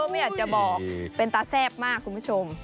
ไม่อยากจะบอกเป็นตาแซ่บมากคุณผู้ชม